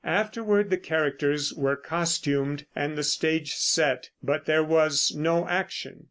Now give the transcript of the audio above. Afterward the characters were costumed, and the stage set, but there was no action.